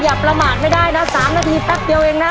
อย่าประมาทไม่ได้นะ๓นาทีแป๊บเดียวเองนะ